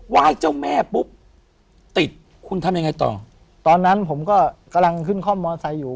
ว่ายเจ้าแม่ปุ๊บติดคุณทำยังไงต่อตอนนั้นผมก็กำลังขึ้นคล่อมมอไซค์อยู่